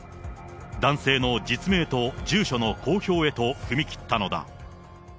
男性の実名と住所の公表へと踏み切ったのだ。